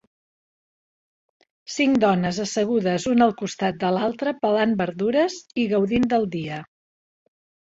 Cinc dones assegudes una al costat de l'altre pelant verdures i gaudint del dia.